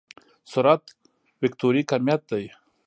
سرعت وکتوري کميت دی.